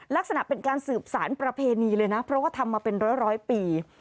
ลักษณะเป็นการสืบสารประเพณีเลยนะเพราะว่าทำมาเป็นร้อยปี